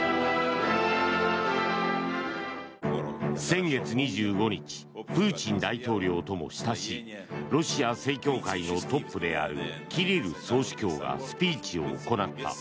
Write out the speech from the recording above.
先月２５日プーチン大統領とも親しいロシア正教会のトップであるキリル総主教がスピーチを行った。